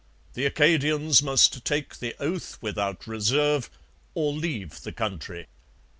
The Acadians must take the oath without reserve, or leave the country.